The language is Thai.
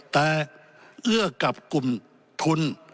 แต่เอื้อกับกลุ่มทุน